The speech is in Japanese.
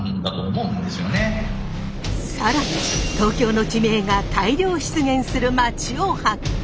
更に東京の地名が大量出現する街を発見！